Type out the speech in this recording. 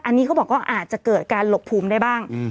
อันนี้เขาบอกว่าอาจจะเกิดการหลบภูมิได้บ้าง